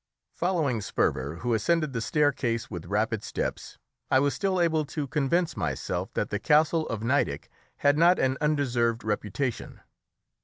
Following Sperver, who ascended the staircase with rapid steps, I was still able to convince myself that the Castle of Nideck had not an undeserved reputation.